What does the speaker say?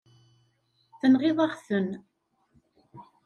Tenɣiḍ-aɣ-t.